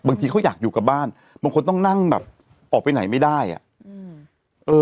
บางทีเขาอยากอยู่กับบ้านบางคนต้องนั่งแบบออกไปไหนไม่ได้อ่ะอืมเออ